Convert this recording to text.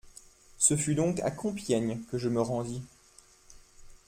Ce fut donc à Compiègne que je me rendis.